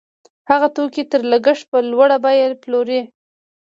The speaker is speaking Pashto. هغه توکي تر لګښت په لوړه بیه پلوري